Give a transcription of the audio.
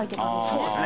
そうですね。